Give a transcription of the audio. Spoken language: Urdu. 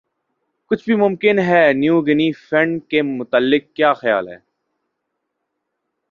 کچھ بھِی ممکن ہے نیو گِنی فنڈ کے متعلق کِیا خیال ہے